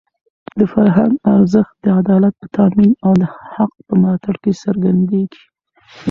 د فرهنګ ارزښت د عدالت په تامین او د حق په ملاتړ کې څرګندېږي.